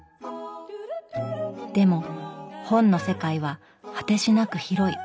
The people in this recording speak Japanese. でも本の世界は果てしなく広い。